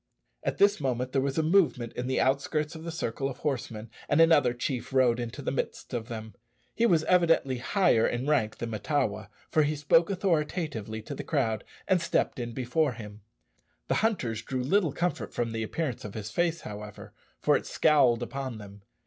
At this moment there was a movement in the outskirts of the circle of horsemen, and another chief rode into the midst of them. He was evidently higher in rank than Mahtawa, for he spoke authoritatively to the crowd, and stepped in before him. The hunters drew little comfort from the appearance of his face, however, for it scowled upon them.